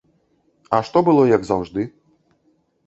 А што было як заўжды?